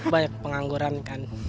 banyak pengangguran kan